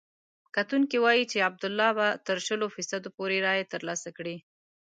کتونکي وايي چې عبدالله به تر شلو فیصدو پورې رایې ترلاسه کړي.